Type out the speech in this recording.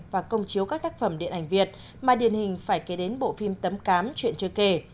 và công chiếu các tác phẩm điện ảnh việt mà điển hình phải kể đến bộ phim tấm cám chuyện chưa kể